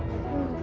pergi pergi pergi